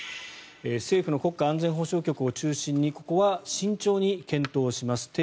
政府の国家安全保障局を中心にここは慎重に検討します。